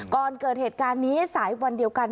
ก่อนเกิดเหตุการณ์นี้สายวันเดียวกัน